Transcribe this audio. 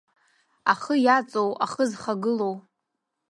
Ахы иаҵоу, ахы зхагылоу…